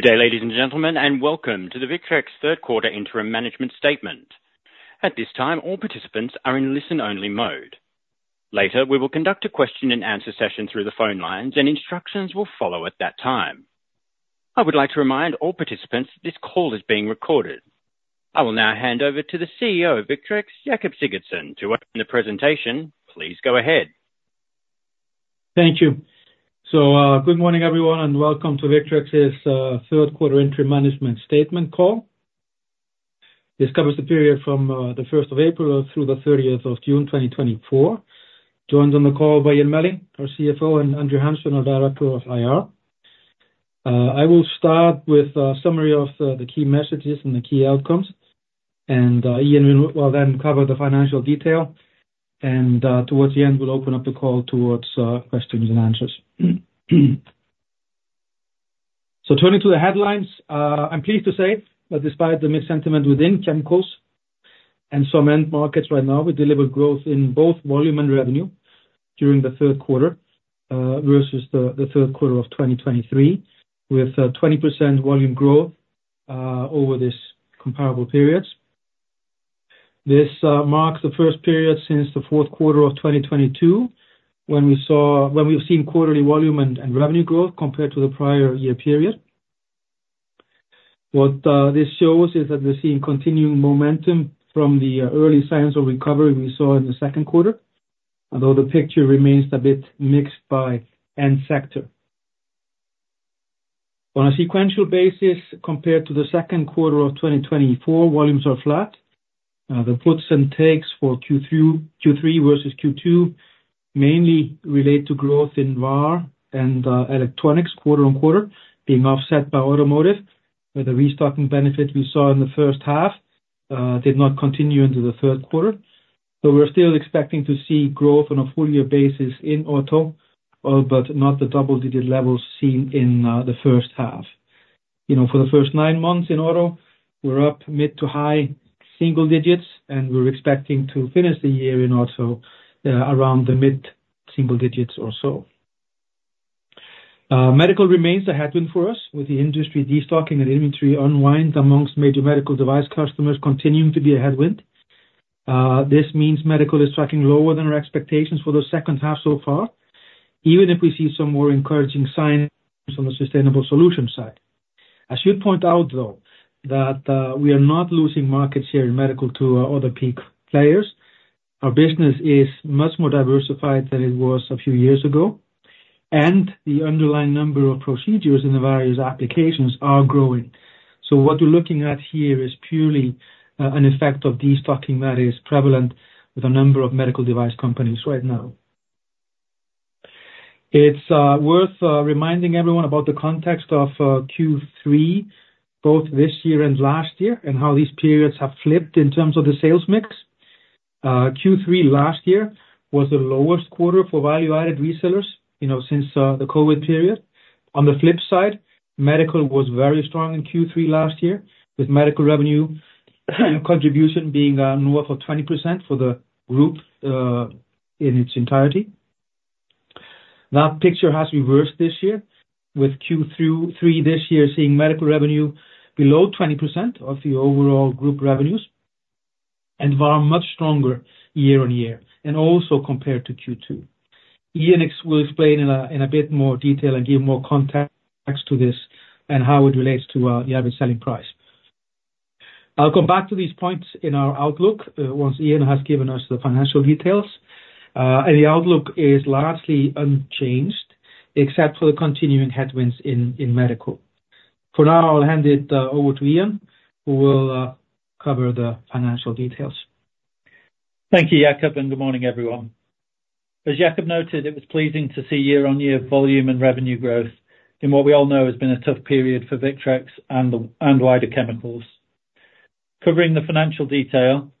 Good day, ladies and gentlemen, and welcome to the Victrex third quarter interim management statement. At this time, all participants are in listen-only mode. Later, we will conduct a question and answer session through the phone lines, and instructions will follow at that time. I would like to remind all participants this call is being recorded. I will now hand over to the CEO of Victrex, Jakob Sigurdsson, to open the presentation. Please go ahead. Thank you. So, good morning, everyone, and welcome to Victrex's third quarter interim management statement call. This covers the period from the first of April through the 30th of June 2024. Joined on the call by Ian Melling, our CFO, and Andrew Hanson, our Director of IR. I will start with a summary of the key messages and the key outcomes, and Ian will then cover the financial detail, and towards the end, we'll open up the call towards questions and answers. So turning to the headlines, I'm pleased to say that despite the missed sentiment within chemicals and some end markets right now, we delivered growth in both volume and revenue during the third quarter versus the third quarter of 2023, with 20% volume growth over this comparable periods. This marks the first period since the fourth quarter of 2022, when we've seen quarterly volume and revenue growth compared to the prior year period. What this shows is that we're seeing continuing momentum from the early signs of recovery we saw in the second quarter, although the picture remains a bit mixed by end sector. On a sequential basis, compared to the second quarter of 2024, volumes are flat. The puts and takes for Q3 versus Q2 mainly relate to growth in VAR and electronics, quarter on quarter, being offset by automotive, where the restocking benefit we saw in the first half did not continue into the third quarter. But we're still expecting to see growth on a full year basis in auto, but not the double-digit levels seen in the first half. You know, for the first nine months in auto, we're up mid to high-single digits, and we're expecting to finish the year in auto around the mid-single digits or so. Medical remains a headwind for us, with the industry destocking and inventory unwinds amongst major medical device customers continuing to be a headwind. This means medical is tracking lower than our expectations for the second half so far, even if we see some more encouraging signs on the sustainable solution side. I should point out, though, that we are not losing markets here in medical to our other PEEK players. Our business is much more diversified than it was a few years ago, and the underlying number of procedures in the various applications are growing. So what you're looking at here is purely an effect of destocking that is prevalent with a number of medical device companies right now. It's worth reminding everyone about the context of Q3, both this year and last year, and how these periods have flipped in terms of the sales mix. Q3 last year was the lowest quarter for value-added resellers, you know, since the COVID period. On the flip side, medical was very strong in Q3 last year, with medical revenue and contribution being north of 20% for the group in its entirety. That picture has reversed this year, with Q3 this year seeing medical revenue below 20% of the overall group revenues, and VAR much stronger year-over-year, and also compared to Q2. Ian will explain in a bit more detail and give more context to this, and how it relates to the average selling price. I'll go back to these points in our outlook once Ian has given us the financial details. The outlook is largely unchanged, except for the continuing headwinds in medical. For now, I'll hand it over to Ian, who will cover the financial details. Thank you, Jakob, and good morning, everyone. As Jakob noted, it was pleasing to see year-on-year volume and revenue growth in what we all know has been a tough period for Victrex and the wider chemicals. Covering the financial detail,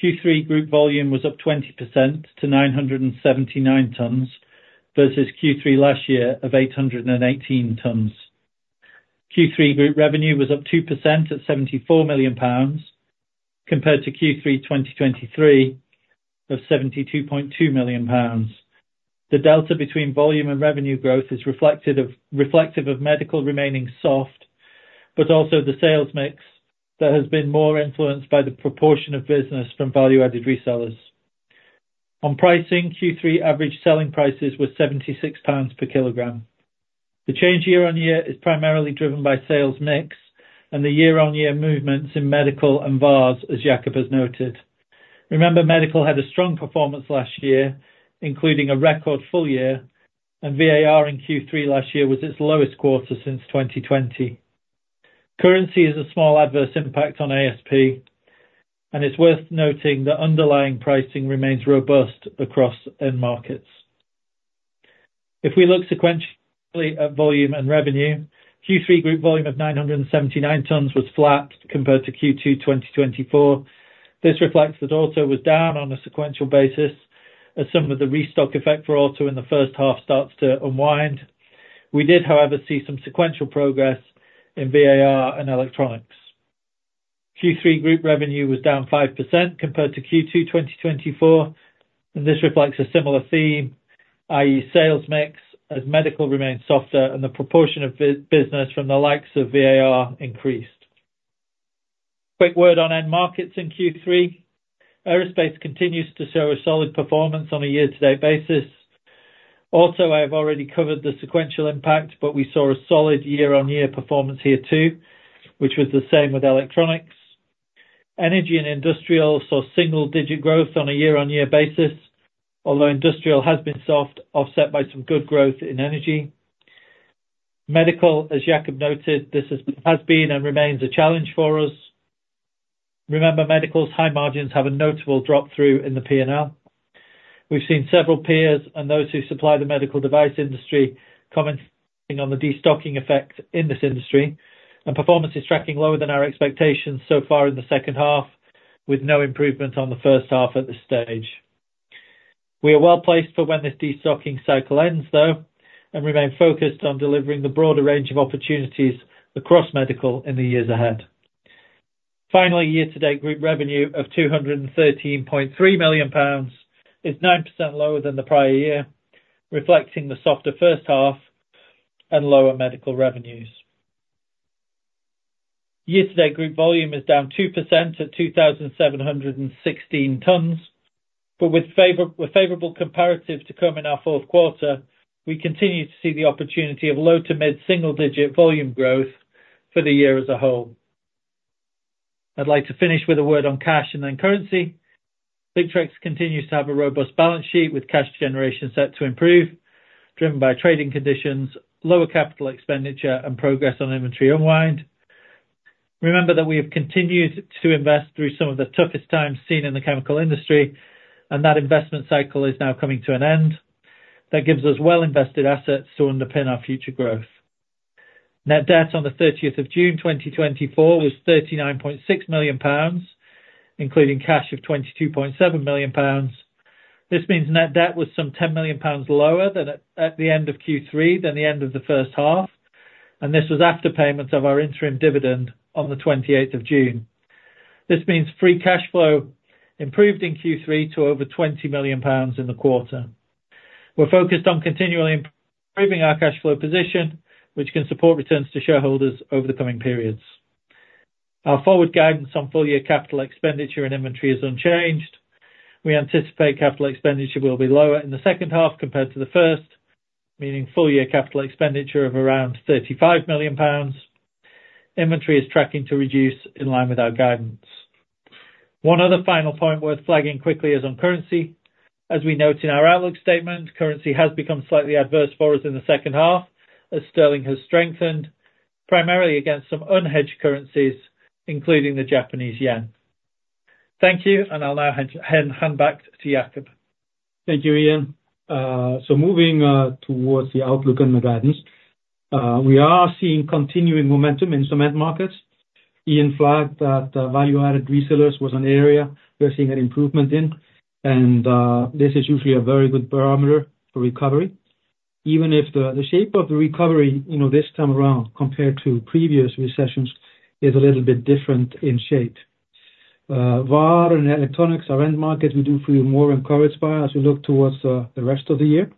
Q3 group volume was up 20% to 979 tons, versus Q3 last year of 818 tons. Q3 group revenue was up 2% at 74 million pounds, compared to Q3 2023 of 72.2 million pounds. The delta between volume and revenue growth is reflective of medical remaining soft, but also the sales mix that has been more influenced by the proportion of business from value-added resellers. On pricing, Q3 average selling prices were GBP 76 per kilogram. The change year-on-year is primarily driven by sales mix and the year-on-year movements in medical and VARs, as Jakob has noted. Remember, medical had a strong performance last year, including a record full year, and VAR in Q3 last year was its lowest quarter since 2020. Currency is a small adverse impact on ASP, and it's worth noting that underlying pricing remains robust across end markets. If we look sequentially at volume and revenue, Q3 group volume of 979 tons was flat compared to Q2 2024. This reflects that auto was down on a sequential basis as some of the restock effect for auto in the first half starts to unwind. We did, however, see some sequential progress in VAR and electronics.... Q3 group revenue was down 5% compared to Q2 2024, and this reflects a similar theme, i.e., sales mix, as medical remains softer and the proportion of B2B business from the likes of VAR increased. Quick word on end markets in Q3. Aerospace continues to show a solid performance on a year-to-date basis. Also, I have already covered the sequential impact, but we saw a solid year-on-year performance here, too, which was the same with electronics. Energy and industrial saw single-digit growth on a year-on-year basis, although industrial has been soft, offset by some good growth in energy. Medical, as Jakob noted, this has been and remains a challenge for us. Remember, medical's high margins have a notable drop through in the P&L. We've seen several peers and those who supply the medical device industry commenting on the destocking effect in this industry, and performance is tracking lower than our expectations so far in the second half, with no improvement on the first half at this stage. We are well placed for when this destocking cycle ends, though, and remain focused on delivering the broader range of opportunities across medical in the years ahead. Finally, year-to-date group revenue of 213.3 million pounds is 9% lower than the prior year, reflecting the softer first half and lower medical revenues. Year-to-date, group volume is down 2% to 2,716 tons, but with favorable comparative to come in our fourth quarter, we continue to see the opportunity of low to mid single digit volume growth for the year as a whole. I'd like to finish with a word on cash and then currency. Victrex continues to have a robust balance sheet, with cash generation set to improve, driven by trading conditions, lower capital expenditure, and progress on inventory unwind. Remember that we have continued to invest through some of the toughest times seen in the chemical industry, and that investment cycle is now coming to an end. That gives us well-invested assets to underpin our future growth. Net debt on the 30th of June 2024 was 39.6 million pounds, including cash of 22.7 million pounds. This means net debt was some 10 million pounds lower than at the end of Q3, than the end of the first half, and this was after payment of our interim dividend on the 28th of June. This means free cash flow improved in Q3 to over 20 million pounds in the quarter. We're focused on continually improving our cash flow position, which can support returns to shareholders over the coming periods. Our forward guidance on full year capital expenditure and inventory is unchanged. We anticipate capital expenditure will be lower in the second half compared to the first, meaning full year capital expenditure of around 35 million pounds. Inventory is tracking to reduce in line with our guidance. One other final point worth flagging quickly is on currency. As we note in our outlook statement, currency has become slightly adverse for us in the second half as sterling has strengthened, primarily against some unhedged currencies, including the Japanese yen. Thank you, and I'll now hand back to Jakob. Thank you, Ian. So moving towards the outlook and the guidance, we are seeing continuing momentum in some end markets. Ian flagged that, value-added resellers was an area we are seeing an improvement in, and, this is usually a very good barometer for recovery. Even if the, the shape of the recovery, you know, this time around, compared to previous recessions, is a little bit different in shape. VAR and electronics are end markets we do feel more encouraged by as we look towards, the rest of the year,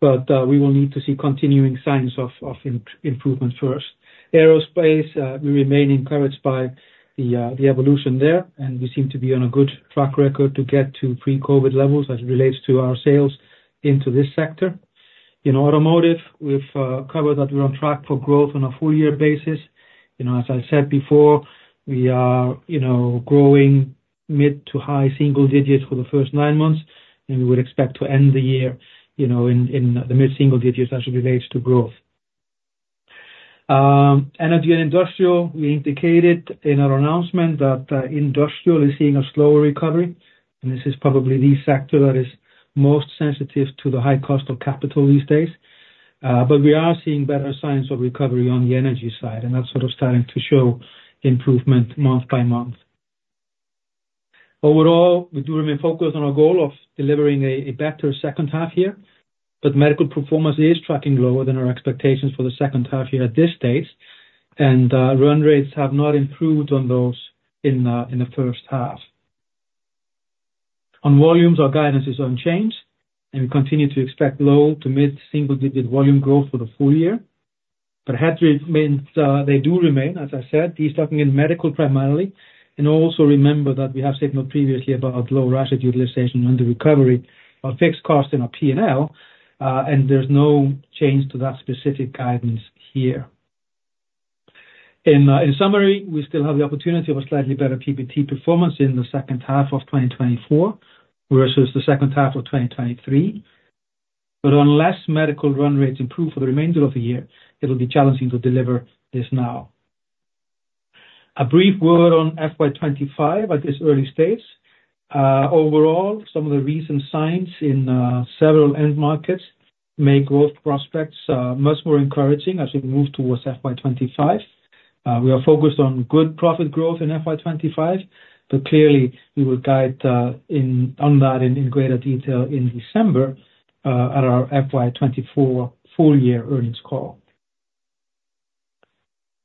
but, we will need to see continuing signs of, of, improvement first. Aerospace, we remain encouraged by the, the evolution there, and we seem to be on a good track record to get to pre-COVID levels as it relates to our sales into this sector. In automotive, we've covered that we're on track for growth on a full year basis. You know, as I said before, we are, you know, growing mid to high-single digits for the first nine months, and we would expect to end the year, you know, in the mid-single digits as it relates to growth. Energy and industrial, we indicated in our announcement that industrial is seeing a slower recovery, and this is probably the sector that is most sensitive to the high cost of capital these days. But we are seeing better signs of recovery on the energy side, and that's sort of starting to show improvement month by month. Overall, we do remain focused on our goal of delivering a better second half here, but medical performance is tracking lower than our expectations for the second half year at this stage, and run rates have not improved on those in the first half. On volumes, our guidance is unchanged, and we continue to expect low to mid-single-digit volume growth for the full year. But headroom remains, they do remain, as I said, destocking in medical primarily, and also remember that we have signaled previously about low asset utilization and the recovery of fixed costs in our P&L, and there's no change to that specific guidance here. In summary, we still have the opportunity of a slightly better PBT performance in the second half of 2024 versus the second half of 2023. But unless medical run rates improve for the remainder of the year, it'll be challenging to deliver this now. A brief word on FY 2025 at this early stage. Overall, some of the recent signs in several end markets make growth prospects much more encouraging as we move towards FY 2025. We are focused on good profit growth in FY 2025, but clearly we will guide on that in greater detail in December at our FY 2024 full year earnings call.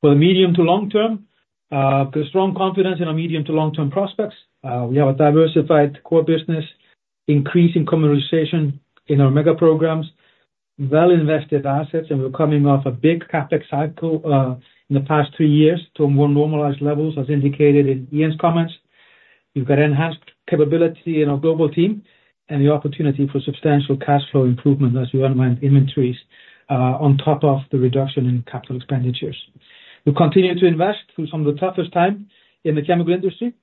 For the medium to long term, there's strong confidence in our medium to long-term prospects. We have a diversified core business, increasing commercialization in our mega programs, well-invested assets, and we're coming off a big CapEx cycle in the past two years to more normalized levels, as indicated in Ian's comments. We've got enhanced capability in our global team and the opportunity for substantial cash flow improvement as we unwind inventories, on top of the reduction in capital expenditures. We continue to invest through some of the toughest time in the chemical industry,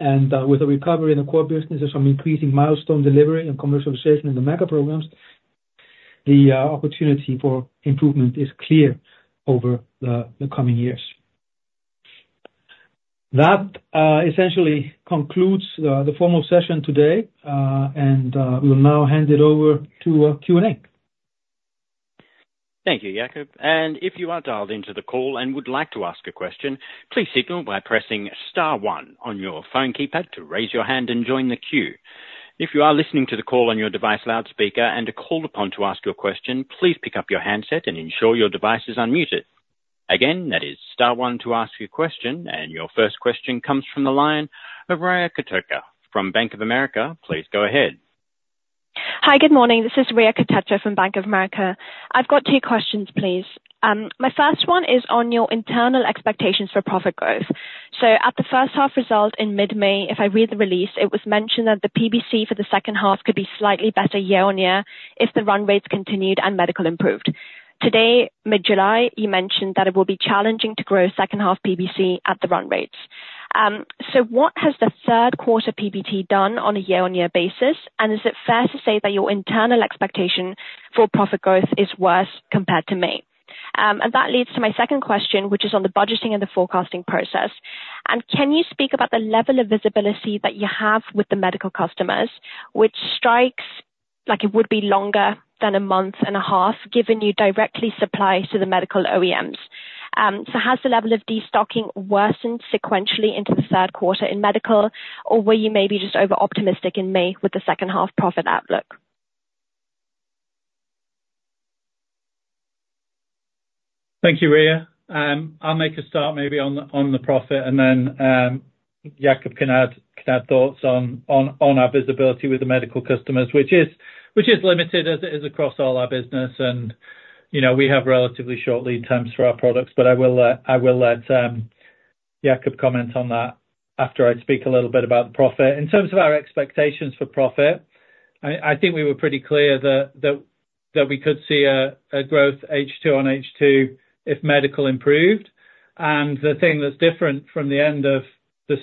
and with a recovery in the core business and some increasing milestone delivery and commercialization in the mega programs, the opportunity for improvement is clear over the coming years. That essentially concludes the formal session today, and we'll now hand it over to Q&A. Thank you, Jakob, and if you are dialed into the call and would like to ask a question, please signal by pressing star one on your phone keypad to raise your hand and join the queue. If you are listening to the call on your device loudspeaker and are called upon to ask a question, please pick up your handset and ensure your device is unmuted. Again, that is star one to ask your question, and your first question comes from the line of Riya Kotecha from Bank of America. Please go ahead. Hi, good morning. This is Riya Kotecha from Bank of America. I've got two questions, please. My first one is on your internal expectations for profit growth. So at the first half result in mid-May, if I read the release, it was mentioned that the PBT for the second half could be slightly better year-on-year if the run rates continued and medical improved. Today, mid-July, you mentioned that it will be challenging to grow second half PBT at the run rates. So what has the third quarter PBT done on a year-on-year basis? And is it fair to say that your internal expectation for profit growth is worse compared to May? And that leads to my second question, which is on the budgeting and the forecasting process. Can you speak about the level of visibility that you have with the medical customers, which strikes like it would be longer than a month and a half, given you directly supply to the medical OEMs? So has the level of destocking worsened sequentially into the third quarter in medical, or were you maybe just overoptimistic in May with the second half profit outlook? Thank you, Riya. I'll make a start maybe on the profit, and then Jakob can add thoughts on our visibility with the medical customers, which is limited, as it is across all our business. You know, we have relatively short lead times for our products. But I will let Jakob comment on that after I speak a little bit about the profit. In terms of our expectations for profit, I think we were pretty clear that we could see a growth H2 on H2 if medical improved. The thing that's different from the end of this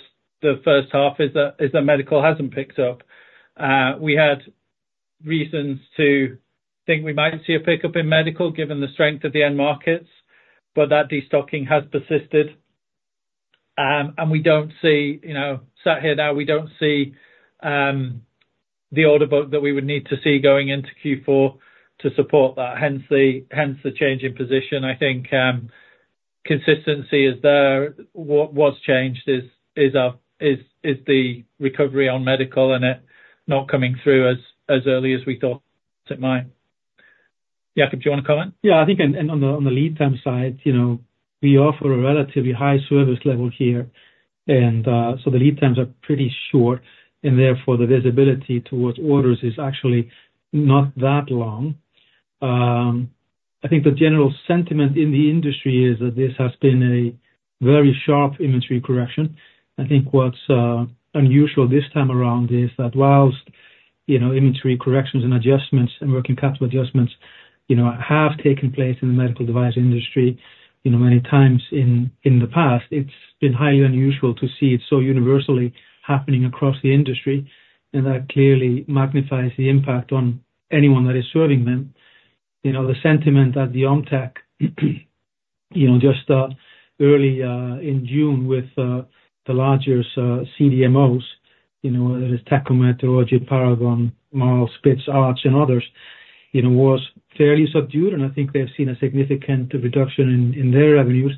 first half is that medical hasn't picked up. We had reasons to think we might see a pickup in medical, given the strength of the end markets, but that destocking has persisted. And we don't see, you know, sitting here now, we don't see the order book that we would need to see going into Q4 to support that, hence the change in position. I think consistency is there. What's changed is the recovery on medical and it not coming through as early as we thought at the time. Jakob, do you wanna comment? Yeah, I think on the lead time side, you know, we offer a relatively high service level here, and so the lead times are pretty short, and therefore, the visibility towards orders is actually not that long. I think the general sentiment in the industry is that this has been a very sharp inventory correction. I think what's unusual this time around is that whilst, you know, inventory corrections and adjustments and working capital adjustments, you know, have taken place in the medical device industry, you know, many times in the past, it's been highly unusual to see it so universally happening across the industry, and that clearly magnifies the impact on anyone that is serving them. You know, the sentiment at the OMTEC, you know, just early in June with the larger CDMOs, you know, whether it's Tecomet or Paragon, Miles, Spitz, Arts, and others, it was fairly subdued, and I think they've seen a significant reduction in their revenues.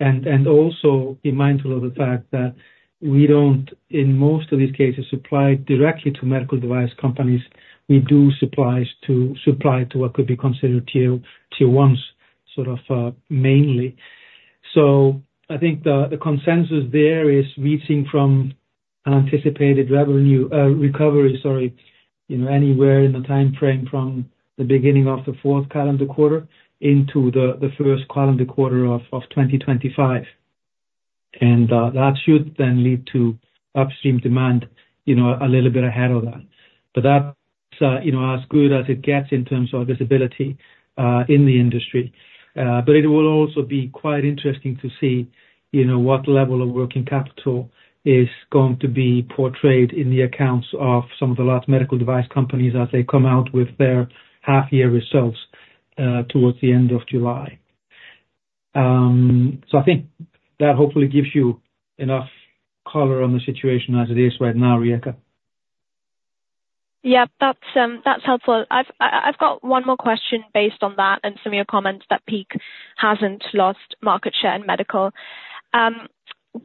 And also be mindful of the fact that we don't, in most of these cases, supply directly to medical device companies. We do supply to what could be considered Tier 1s, sort of, mainly. So I think the consensus there is we've seen from an anticipated revenue recovery, sorry, you know, anywhere in the timeframe from the beginning of the fourth calendar quarter into the first calendar quarter of 2025. And that should then lead to upstream demand, you know, a little bit ahead of that. But that's, you know, as good as it gets in terms of visibility, in the industry. But it will also be quite interesting to see, you know, what level of working capital is going to be portrayed in the accounts of some of the large medical device companies as they come out with their half-year results, towards the end of July. So I think that hopefully gives you enough color on the situation as it is right now, Riya. Yeah, that's helpful. I've got one more question based on that and some of your comments that PEEK hasn't lost market share in medical.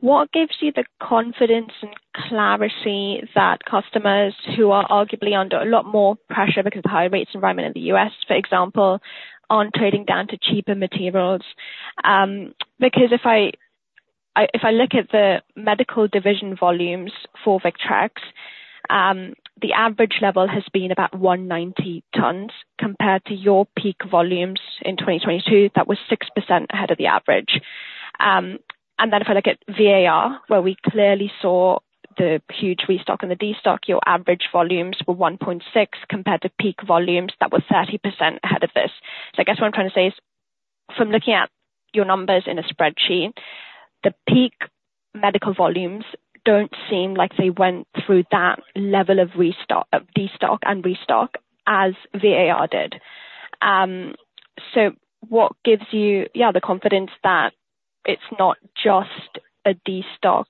What gives you the confidence and clarity that customers who are arguably under a lot more pressure because of the higher rates environment in the U.S., for example, aren't trading down to cheaper materials? Because if I look at the medical division volumes for Victrex, the average level has been about 190 tons, compared to your peak volumes in 2022, that was 6% ahead of the average. And then if I look at VAR, where we clearly saw the huge restock and the destock, your average volumes were 1.6, compared to peak volumes that were 30% ahead of this. So I guess what I'm trying to say is, from looking at your numbers in a spreadsheet, the peak medical volumes don't seem like they went through that level of restock, of destock and restock as VAR did. So what gives you, yeah, the confidence that it's not just a destock,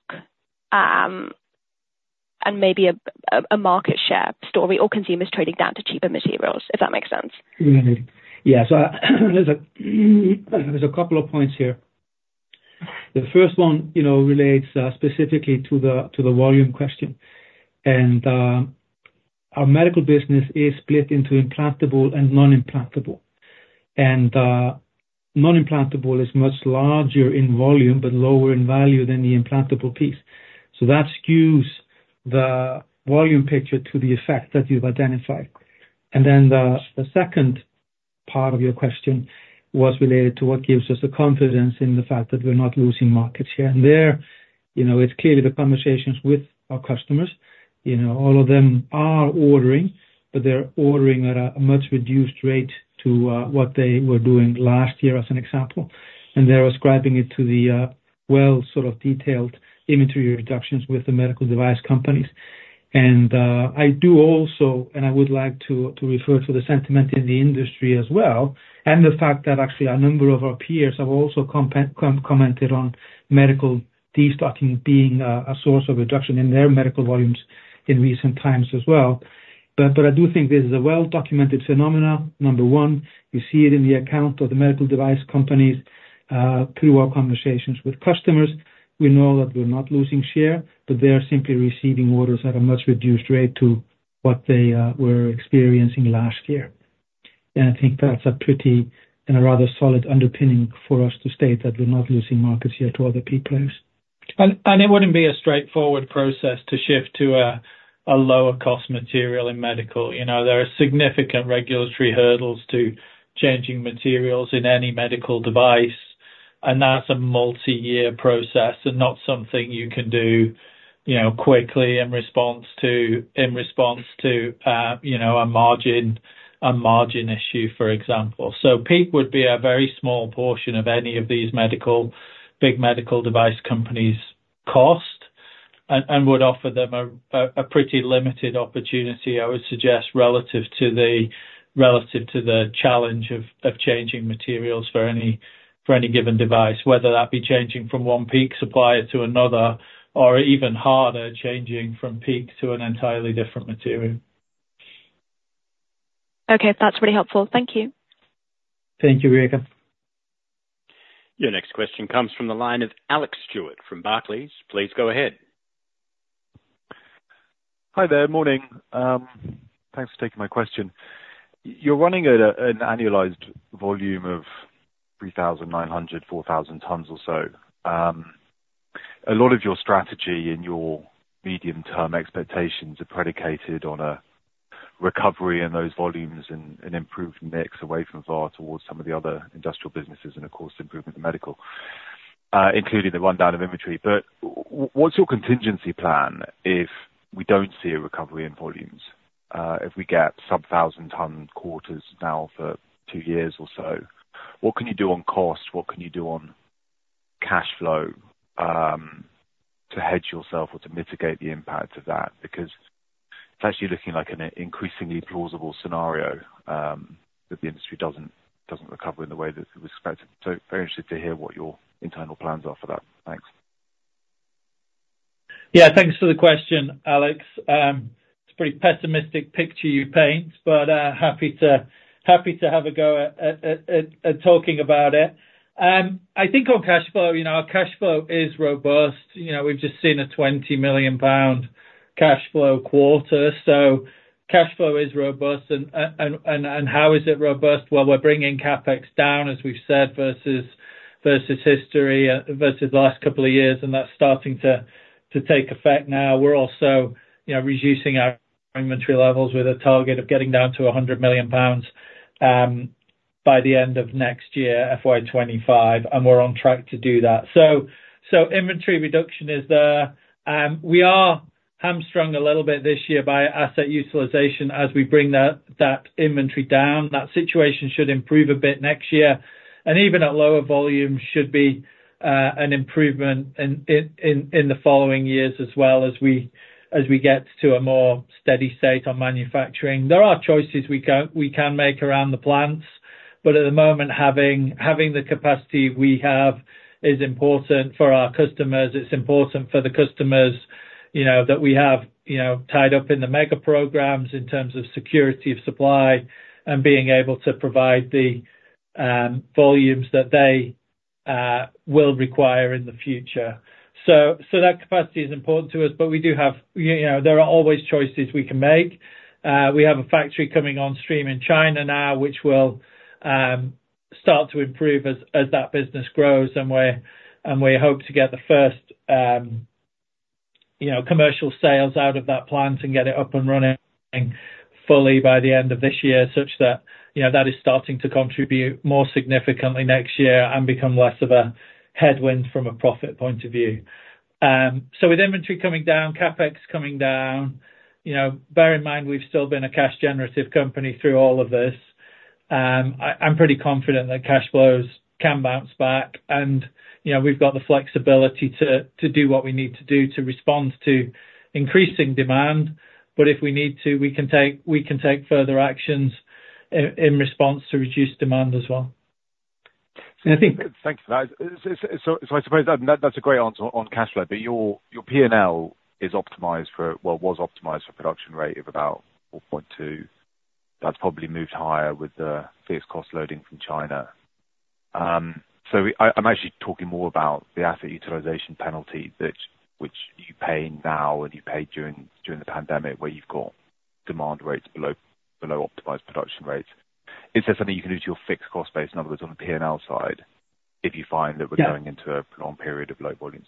and maybe a market share story or consumers trading down to cheaper materials, if that makes sense? Yeah. So there's a couple of points here. The first one, you know, relates specifically to the volume question. And our medical business is split into implantable and non-implantable. And non-implantable is much larger in volume, but lower in value than the implantable piece. So that skews the volume picture to the effect that you've identified. And then the second part of your question was related to what gives us the confidence in the fact that we're not losing market share. And there, you know, it's clearly the conversations with our customers. You know, all of them are ordering, but they're ordering at a much reduced rate to what they were doing last year, as an example. And they're ascribing it to the well, sort of detailed inventory reductions with the medical device companies. I do also, and I would like to refer to the sentiment in the industry as well, and the fact that actually a number of our peers have also commented on medical destocking being a source of reduction in their medical volumes in recent times as well. But I do think this is a well-documented phenomenon, number one. We see it in the accounts of the medical device companies through our conversations with customers. We know that we're not losing share, that they are simply receiving orders at a much reduced rate to what they were experiencing last year. And I think that's a pretty and a rather solid underpinning for us to state that we're not losing markets here to other PEEK players. It wouldn't be a straightforward process to shift to a lower cost material in medical. You know, there are significant regulatory hurdles to changing materials in any medical device, and that's a multi-year process and not something you can do, you know, quickly in response to, in response to, you know, a margin issue, for example. So PEEK would be a very small portion of any of these big medical device companies' cost, and would offer them a pretty limited opportunity, I would suggest, relative to the challenge of changing materials for any given device. Whether that be changing from one PEEK supplier to another, or even harder, changing from PEEK to an entirely different material. Okay. That's really helpful. Thank you. Thank you, Riya. Your next question comes from the line of Alex Stewart from Barclays. Please go ahead. Hi there. Morning. Thanks for taking my question. You're running at a, an annualized volume of 3,900-4,000 tons or so. A lot of your strategy and your medium-term expectations are predicated on a recovery in those volumes and, and improved mix away from VAR towards some of the other industrial businesses, and of course, improvement in medical, including the rundown of inventory. But what's your contingency plan if we don't see a recovery in volumes, if we get sub-1,000 ton quarters now for two years or so? What can you do on cost? What can you do on cash flow, to hedge yourself or to mitigate the impact of that? Because it's actually looking like an increasingly plausible scenario, that the industry doesn't, doesn't recover in the way that it was expected. Very interested to hear what your internal plans are for that. Thanks. Yeah, thanks for the question, Alex. It's a pretty pessimistic picture you paint, but happy to have a go at talking about it. I think on cash flow, you know, our cash flow is robust. You know, we've just seen a 20 million pound cash flow quarter, so cash flow is robust. And how is it robust? Well, we're bringing CapEx down, as we've said, versus history, versus the last couple of years, and that's starting to take effect now. We're also, you know, reducing our inventory levels with a target of getting down to 100 million pounds, by the end of next year, FY 2025, and we're on track to do that. So inventory reduction is there. We are hamstrung a little bit this year by asset utilization as we bring that inventory down. That situation should improve a bit next year, and even at lower volumes, should be an improvement in the following years as well, as we get to a more steady state on manufacturing. There are choices we can make around the plants, but at the moment, having the capacity we have is important for our customers. It's important for the customers you know that we have you know tied up in the mega programs in terms of security of supply and being able to provide the volumes that they will require in the future. So that capacity is important to us, but we do have you know there are always choices we can make. We have a factory coming on stream in China now, which will start to improve as that business grows, and we hope to get the first, you know, commercial sales out of that plant and get it up and running fully by the end of this year, such that, you know, that is starting to contribute more significantly next year and become less of a headwind from a profit point of view. So with inventory coming down, CapEx coming down, you know, bear in mind, we've still been a cash generative company through all of this. I'm pretty confident that cash flows can bounce back, and, you know, we've got the flexibility to do what we need to do to respond to increasing demand. But if we need to, we can take, we can take further actions in response to reduced demand as well. And I think. Thank you for that. So, I suppose that's a great answer on cash flow, but your P&L is optimized for, well, was optimized for production rate of about 4.2. That's probably moved higher with the fixed cost loading from China. So I'm actually talking more about the asset utilization penalty, which you're paying now, and you paid during the pandemic, where you've got demand rates below optimized production rates. Is there something you can do to your fixed cost base, in other words, on the P&L side, if you find that we're. Yeah. Going into a long period of low volumes?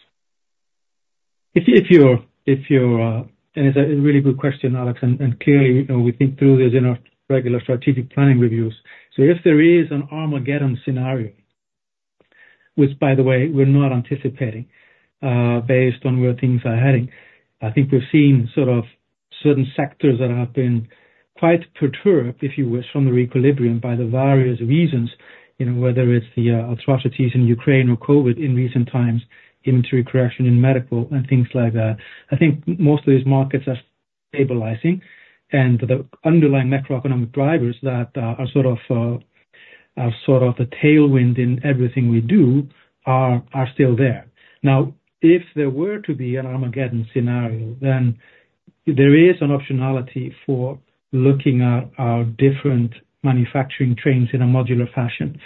It's a really good question, Alex, and clearly, you know, we think through these in our regular strategic planning reviews. So if there is an armageddon scenario, which, by the way, we're not anticipating, based on where things are heading, I think we've seen sort of certain sectors that have been quite perturbed, if you wish, from the equilibrium by the various reasons, you know, whether it's the atrocities in Ukraine or COVID in recent times, inventory correction in medical and things like that. I think most of these markets are stabilizing, and the underlying macroeconomic drivers that are sort of a tailwind in everything we do are still there. Now, if there were to be an armageddon scenario, then there is an optionality for looking at our different manufacturing trains in a modular fashion,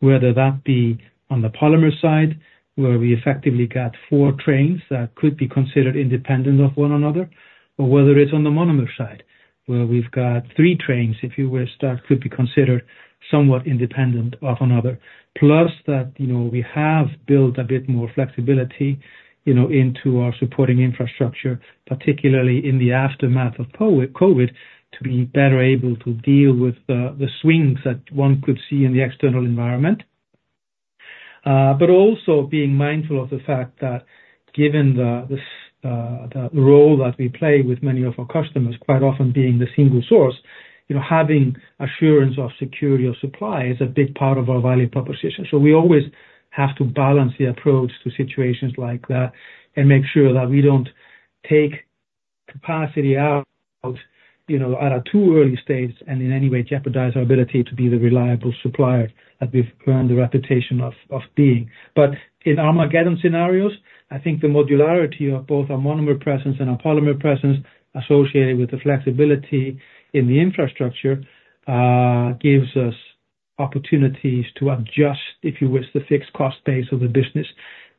whether that be on the polymer side, where we effectively got four trains that could be considered independent of one another, or whether it's on the monomer side, where we've got three trains, if you wish, that could be considered somewhat independent of another. Plus that, you know, we have built a bit more flexibility, you know, into our supporting infrastructure, particularly in the aftermath of COVID, to be better able to deal with the swings that one could see in the external environment. But also being mindful of the fact that given the role that we play with many of our customers, quite often being the single source, you know, having assurance of security of supply is a big part of our value proposition. So we always have to balance the approach to situations like that and make sure that we don't take capacity out, you know, at a too early stage, and in any way jeopardize our ability to be the reliable supplier that we've earned the reputation of being. But in armageddon scenarios, I think the modularity of both our monomer presence and our polymer presence, associated with the flexibility in the infrastructure, gives us opportunities to adjust, if you wish, the fixed cost base of the business,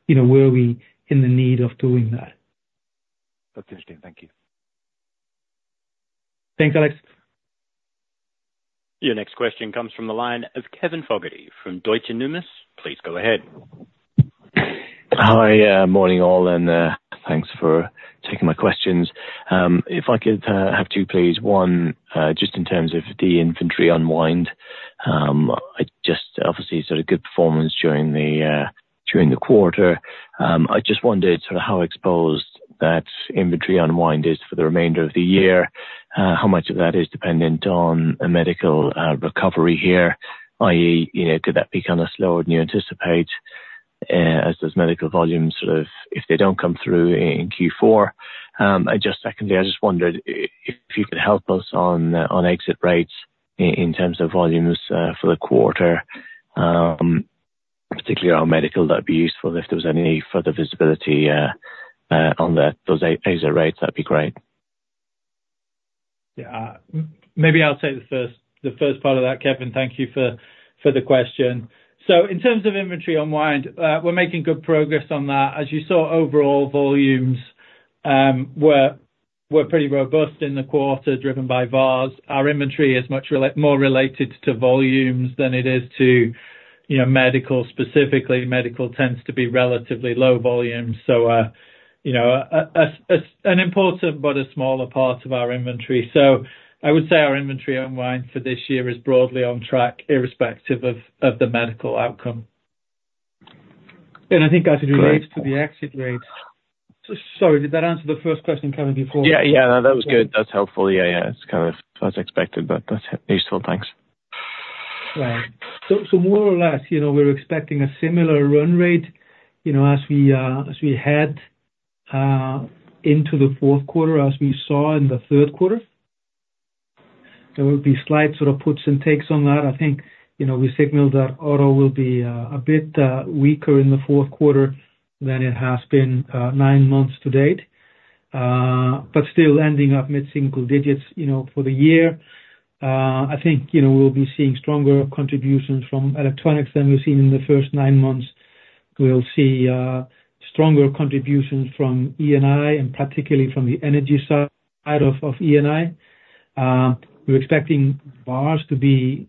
you know, were we in the need of doing that. That's interesting. Thank you. Thanks, Alex. Your next question comes from the line of Kevin Fogarty from Deutsche Numis. Please go ahead. Hi, morning all, and, thanks for taking my questions. If I could, have two, please. One, just in terms of the inventory unwind, I just obviously saw a good performance during the quarter. I just wondered sort of how exposed that inventory unwind is for the remainder of the year, how much of that is dependent on a medical recovery here, i.e., you know, could that be kind of slower than you anticipate, as those medical volumes sort of, if they don't come through in Q4? And just secondly, I just wondered if you could help us on, on exit rates in terms of volumes, for the quarter, particularly on medical, that'd be useful. If there was any further visibility on those exit rates, that'd be great. Yeah. Maybe I'll take the first, the first part of that, Kevin. Thank you for, for the question. So in terms of inventory unwind, we're making good progress on that. As you saw, overall volumes were, were pretty robust in the quarter, driven by VARs. Our inventory is much more related to volumes than it is to, you know, medical specifically. Medical tends to be relatively low volume, so you know, an important but a smaller part of our inventory. So I would say our inventory unwind for this year is broadly on track, irrespective of, of the medical outcome. I think as it relates to the exit rate... Sorry, did that answer the first question, Kevin, before- Yeah, yeah, that was good. That's helpful. Yeah, yeah, it's kind of as expected, but that's useful. Thanks. Right. So, more or less, you know, we're expecting a similar run rate, you know, as we head into the fourth quarter, as we saw in the third quarter. There will be slight sort of puts and takes on that. I think, you know, we signaled that auto will be a bit weaker in the fourth quarter than it has been nine months to date. But still ending up mid single digits, you know, for the year. I think, you know, we'll be seeing stronger contributions from electronics than we've seen in the first nine months. We'll see stronger contributions from E&I, and particularly from the energy side of E&I. We're expecting VARs to be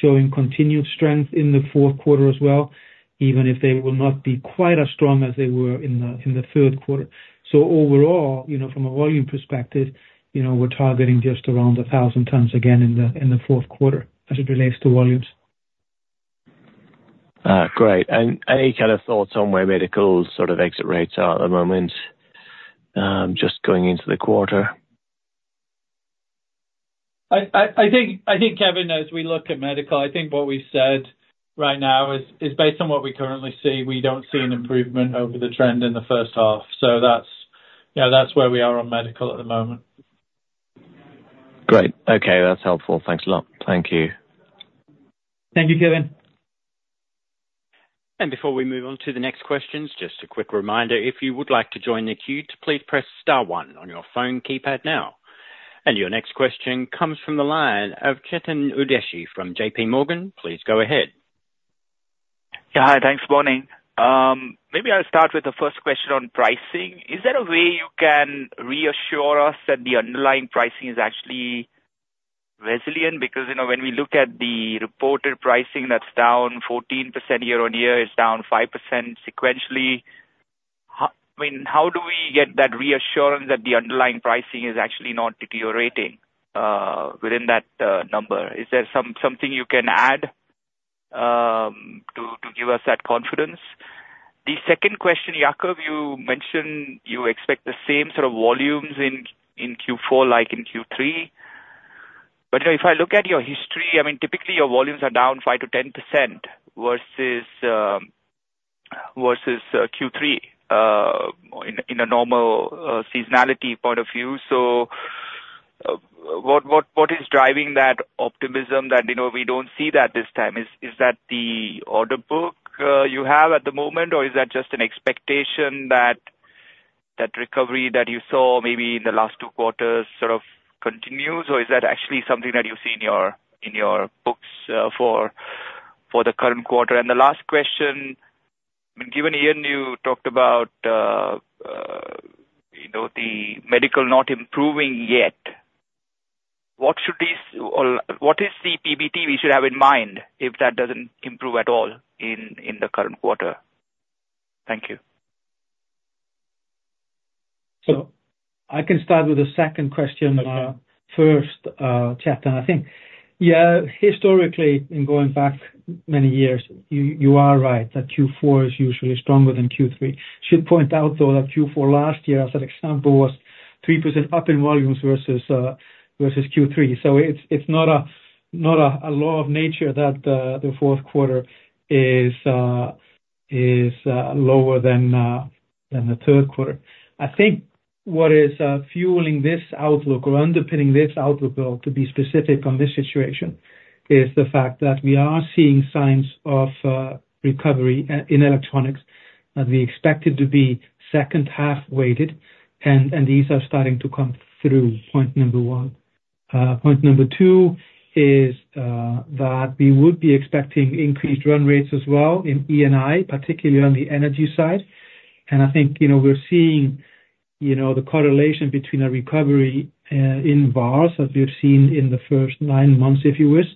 showing continued strength in the fourth quarter as well, even if they will not be quite as strong as they were in the third quarter. Overall, you know, from a volume perspective, you know, we're targeting just around 1,000 tons again in the fourth quarter, as it relates to volumes. Great. And any kind of thoughts on where medical's sort of exit rates are at the moment, just going into the quarter? I think, Kevin, as we look at medical, I think what we said right now is based on what we currently see, we don't see an improvement over the trend in the first half. So that's, you know, that's where we are on medical at the moment. Great. Okay, that's helpful. Thanks a lot. Thank you. Thank you, Kevin. Before we move on to the next questions, just a quick reminder, if you would like to join the queue, please press star one on your phone keypad now. Your next question comes from the line of Chetan Udeshi from J.P. Morgan. Please go ahead. Yeah. Hi, thanks. Morning. Maybe I'll start with the first question on pricing. Is there a way you can reassure us that the underlying pricing is actually resilient? Because, you know, when we look at the reported pricing, that's down 14% year-on-year, it's down 5% sequentially. I mean, how do we get that reassurance that the underlying pricing is actually not deteriorating within that number? Is there something you can add to give us that confidence? The second question, Jakob, you mentioned you expect the same sort of volumes in Q4 like in Q3. But, you know, if I look at your history, I mean, typically your volumes are down 5%-10% versus Q3 in a normal seasonality point of view. So, what is driving that optimism that, you know, we don't see that this time? Is that the order book you have at the moment? Or is that just an expectation that that recovery that you saw maybe in the last two quarters sort of continues, or is that actually something that you see in your books for the current quarter? And the last question, I mean, given Ian, you talked about, you know, the medical not improving yet, what should this, or what is the PBT we should have in mind if that doesn't improve at all in the current quarter? Thank you. So I can start with the second question, first, Chetan. I think, yeah, historically, in going back many years, you, you are right, that Q4 is usually stronger than Q3. Should point out, though, that Q4 last year as an example, was 3% up in volumes versus, versus Q3. So it's, it's not a, not a, a law of nature that, the fourth quarter is, is, lower than, than the third quarter. I think what is, fueling this outlook or underpinning this outlook, though, to be specific on this situation, is the fact that we are seeing signs of, recovery in electronics, and we expect it to be second half weighted, and, and these are starting to come through, point number one. Point number two is that we would be expecting increased run rates as well in E&I, particularly on the energy side. And I think, you know, we're seeing, you know, the correlation between a recovery in VARs, as we've seen in the first nine months, if you wish,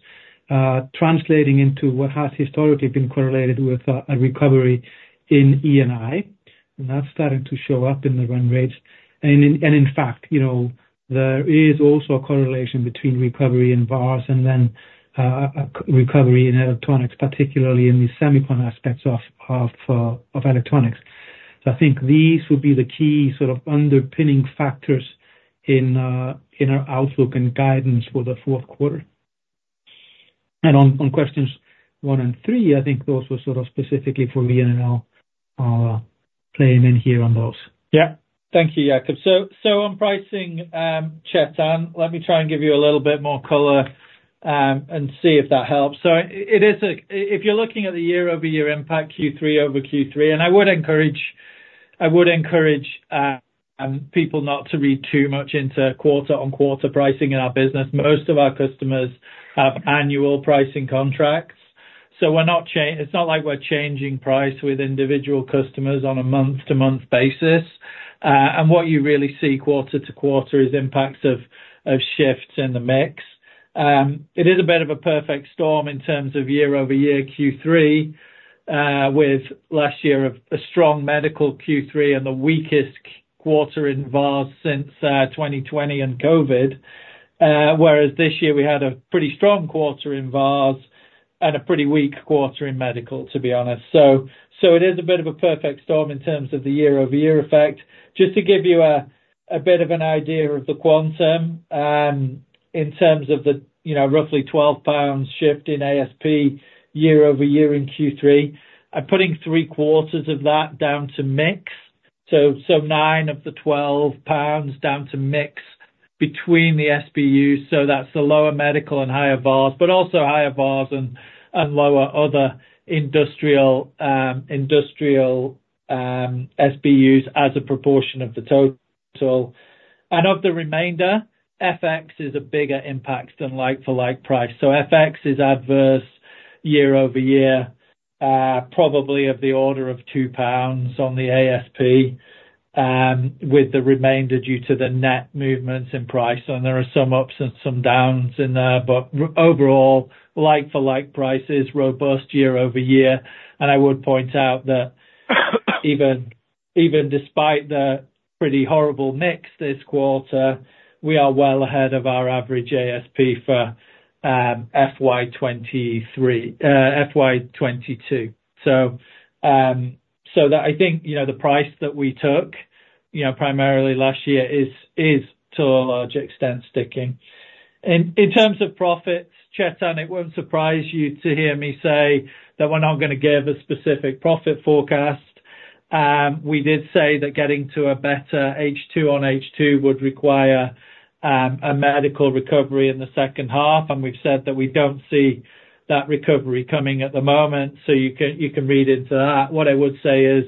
translating into what has historically been correlated with a recovery in E&I, and that's starting to show up in the run rates. And in fact, you know, there is also a correlation between recovery and VARs and then a recovery in electronics, particularly in the semiconductor aspects of electronics. So I think these would be the key sort of underpinning factors in our outlook and guidance for the fourth quarter. And on questions one and three, I think those were sort of specifically for me, and I'll chime Ian in here on those. Yeah. Thank you, Jakob. So on pricing, Chetan, let me try and give you a little bit more color, and see if that helps. So it is a, if you're looking at the year-over-year impact, Q3 over Q3, and I would encourage people not to read too much into quarter-on-quarter pricing in our business. Most of our customers have annual pricing contracts, so it's not like we're changing price with individual customers on a month-to-month basis. And what you really see quarter-to-quarter is impacts of shifts in the mix. It is a bit of a perfect storm in terms of year-over-year Q3, with last year a strong medical Q3 and the weakest quarter in VARs since 2020 and COVID. Whereas this year we had a pretty strong quarter in VARs and a pretty weak quarter in medical, to be honest. So, it is a bit of a perfect storm in terms of the year-over-year effect. Just to give you a bit of an idea of the quantum, in terms of the, you know, roughly 12 pounds shift in ASP year-over-year in Q3, I'm putting three quarters of that down to mix. So, 9 of the 12 pounds down to mix between the SBUs, so that's the lower medical and higher VARs, but also higher VARs and lower other industrial SBUs as a proportion of the total. And of the remainder, FX is a bigger impact than like-for-like price. So FX is adverse year-over-year, probably of the order of 2 pounds on the ASP, with the remainder due to the net movements in price. And there are some ups and some downs in there, but overall, like-for-like price is robust year-over-year. And I would point out that even, even despite the pretty horrible mix this quarter, we are well ahead of our average ASP for FY 2023, FY 2022. So, so that I think, you know, the price that we took, you know, primarily last year is, is to a large extent, sticking. In, in terms of profits, Chetan, it won't surprise you to hear me say that we're not gonna give a specific profit forecast. We did say that getting to a better H2 on H2 would require a medical recovery in the second half, and we've said that we don't see that recovery coming at the moment, so you can, you can read into that. What I would say is,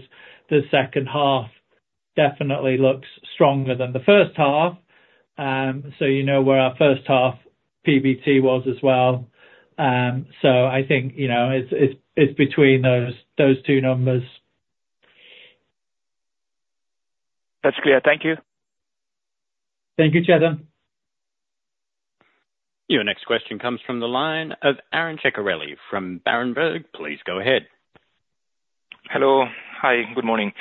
the second half definitely looks stronger than the first half. So you know where our first half PBT was as well. So I think, you know, it's, it's, it's between those, those two numbers. That's clear. Thank you. Thank you, Chetan. Your next question comes from the line of Aron Ceccarelli from Berenberg. Please go ahead. Hello. Hi, good morning.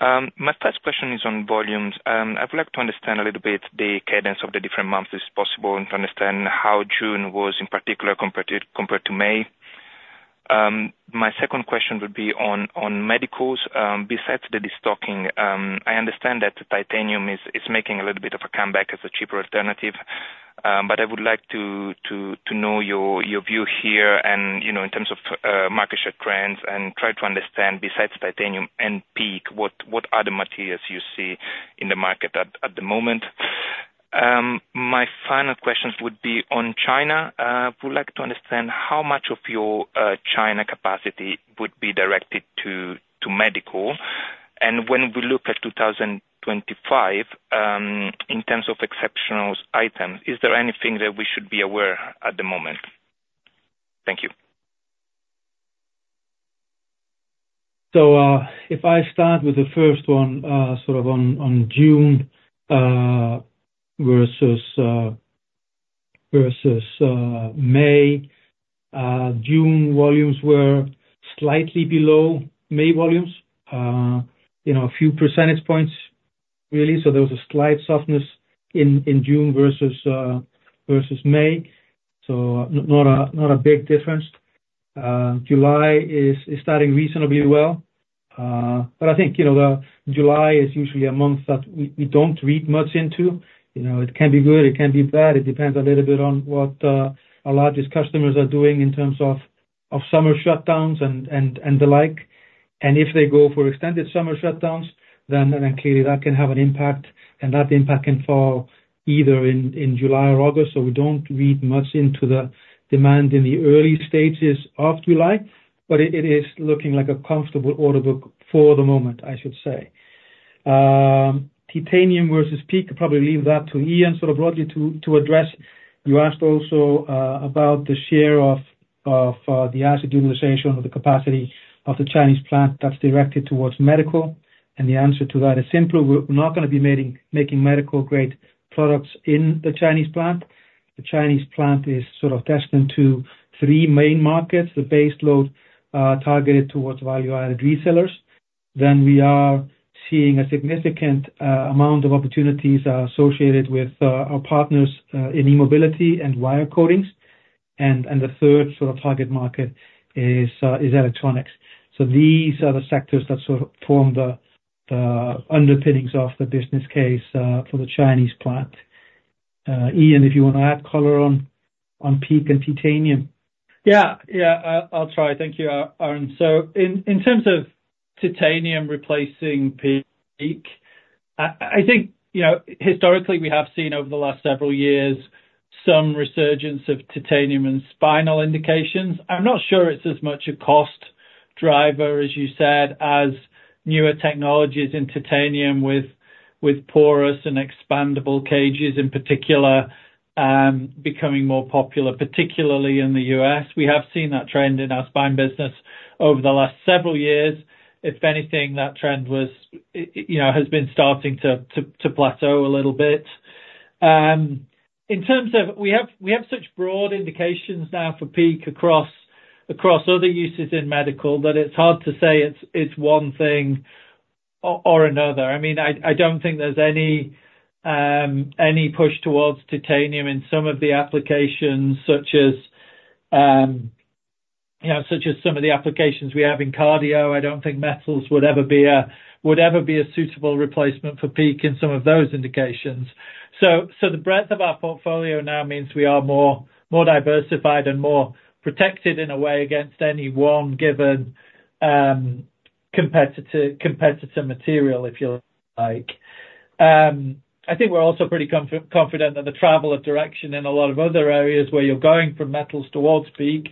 My first question is on volumes. I would like to understand a little bit the cadence of the different months, if possible, and to understand how June was, in particular, compared to May. My second question would be on medicals. Besides the destocking, I understand that titanium is making a little bit of a comeback as a cheaper alternative, but I would like to know your view here and, you know, in terms of market share trends and try to understand, besides titanium and PEEK, what other materials you see in the market at the moment. My final questions would be on China. I would like to understand how much of your China capacity would be directed to medical. When we look at 2025, in terms of exceptional items, is there anything that we should be aware at the moment? Thank you. So, if I start with the first one, sort of on June versus May. June volumes were slightly below May volumes. You know, a few percentage points, really. So there was a slight softness in June versus May. So not a big difference. July is starting reasonably well. But I think, you know, the July is usually a month that we don't read much into. You know, it can be good, it can be bad. It depends a little bit on what our largest customers are doing in terms of summer shutdowns and the like. And if they go for extended summer shutdowns, then clearly that can have an impact, and that impact can fall either in July or August. So we don't read much into the demand in the early stages of July, but it is looking like a comfortable order book for the moment, I should say. Titanium versus PEEK, I'll probably leave that to Ian, sort of broadly to address. You asked also about the share of the asset utilization or the capacity of the Chinese plant that's directed towards medical, and the answer to that is simple. We're not gonna be making medical-grade products in the Chinese plant. The Chinese plant is sort of destined to three main markets, the base load targeted towards value-added resellers. Then we are seeing a significant amount of opportunities associated with our partners in e-mobility and wire coatings. And the third sort of target market is electronics. So these are the sectors that sort of form the underpinnings of the business case for the Chinese plant. Ian, if you wanna add color on PEEK and titanium. Yeah, yeah. I'll try. Thank you, Aron. So in terms of titanium replacing PEEK, I think, you know, historically, we have seen over the last several years, some resurgence of titanium and spinal indications. I'm not sure it's as much a cost driver, as you said, as newer technologies in titanium with porous and expandable cages in particular becoming more popular, particularly in the U.S. We have seen that trend in our spine business over the last several years. If anything, that trend was, you know, has been starting to plateau a little bit. In terms of. We have such broad indications now for PEEK across other uses in medical, that it's hard to say it's one thing or another. I mean, I don't think there's any push towards titanium in some of the applications such as, you know, such as some of the applications we have in cardio. I don't think metals would ever be a suitable replacement for PEEK in some of those indications. So the breadth of our portfolio now means we are more diversified and more protected in a way, against any one given competitor material, if you like. I think we're also pretty confident in the travel of direction in a lot of other areas, where you're going from metals towards PEEK.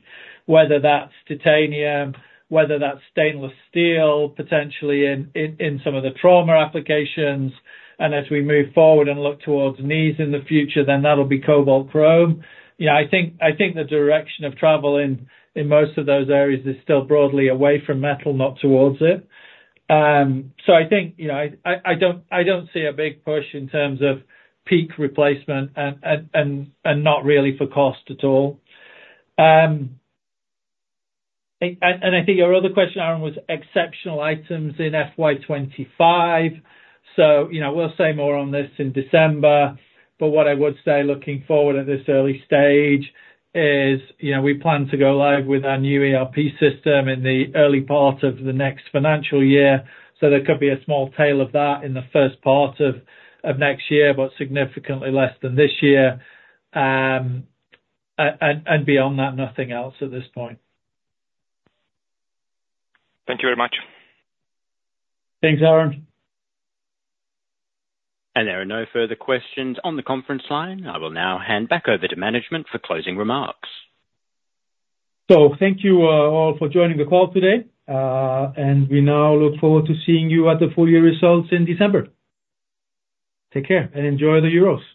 Whether that's titanium, whether that's stainless steel, potentially in some of the trauma applications, and as we move forward and look towards knees in the future, then that'll be cobalt chrome. Yeah, I think the direction of travel in most of those areas is still broadly away from metal, not towards it. So I think, you know, I don't see a big push in terms of PEEK replacement and not really for cost at all. I think your other question, Aron, was exceptional items in FY 2025. So, you know, we'll say more on this in December, but what I would say looking forward at this early stage is, you know, we plan to go live with our new ERP system in the early part of the next financial year. So there could be a small tail of that in the first part of next year, but significantly less than this year. And beyond that, nothing else at this point. Thank you very much. Thanks, Aron. There are no further questions on the conference line. I will now hand back over to management for closing remarks. Thank you, all for joining the call today. We now look forward to seeing you at the full year results in December. Take care and enjoy the Euros.